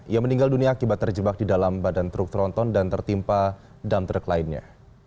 ia meninggal dunia akibat terjebak di dalam badan truk tronton dan tertimpa dam truk lainnya